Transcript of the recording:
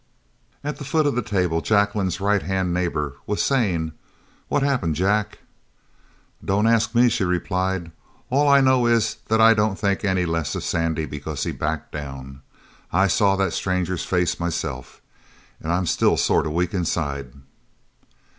At the foot of the table Jacqueline's right hand neighbour was saying: "What happened, Jac?" "Don't ask me," she replied. "All I know is that I don't think any less of Sandy because he backed down. I saw that stranger's face myself an' I'm still sort of weak inside."